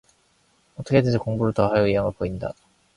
어떻게든지 공부를 더 할 의향을 보인다.